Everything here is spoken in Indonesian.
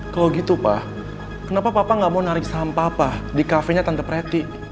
kalau gitu pa kenapa papa nggak mau narik saham papa di cafe nya tante preti